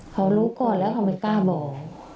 เขารู้ก่อนแล้วเขาไม่กล้าบอก